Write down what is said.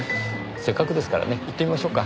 せっかくですからね行ってみましょうか。